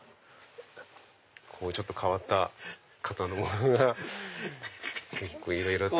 ちょっと変わった型のものがいろいろと。